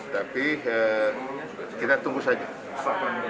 tapi kita tunggu saja